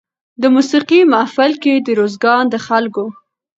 د موسېقۍ محفل کې د روزګان د خلکو